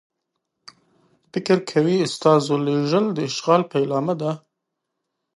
فکر کوي استازو لېږل د اشغال پیلامه ده.